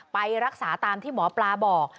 ไปรักษาตามที่หมอปลาบอก